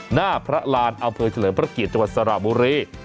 หน้าพระรานอำเภอเฉลิมพระเกียรติจังหวัดสระบุรี